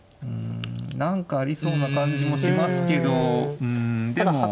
うん何かありそうな感じもしますけどうんでも。